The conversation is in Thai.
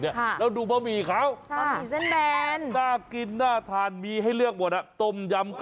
อ้ออยู่ในเมืองน้อย